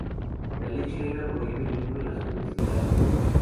La ley chilena prohíbe el lucro en las universidades.